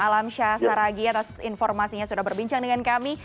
alhamsyah saraghi atas informasinya sudah berbincang dengan kami